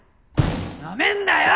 なめんなよ！